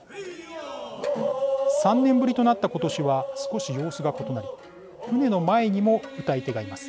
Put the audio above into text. ３年ぶりとなった今年は少し様子が異なり船の前にも謡い手がいます。